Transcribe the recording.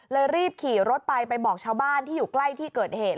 รีบขี่รถไปไปบอกชาวบ้านที่อยู่ใกล้ที่เกิดเหตุ